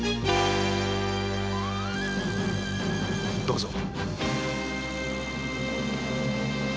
どうぞ。